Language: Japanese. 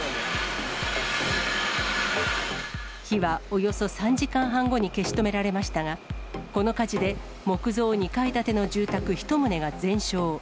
火はおよそ３時間半後に消し止められましたが、この火事で木造２階建ての住宅１棟が全焼。